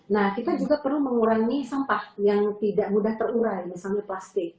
nah kita juga perlu mengurangi sampah yang tidak mudah terurai misalnya plastik